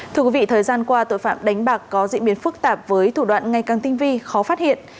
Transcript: thưa quý vị thời gian qua tội phạm đánh bạc có diễn biến phức tạp với thủ đoạn ngày càng tinh vi khó phát hiện